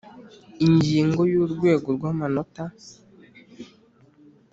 Ingingo ya Urwego rw amanota